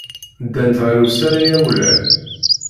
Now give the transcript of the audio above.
Ddant ɣer usalay awlal.